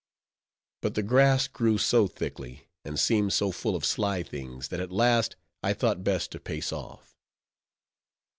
But the grass grew so thickly, and seemed so full of sly things, that at last I thought best to pace off.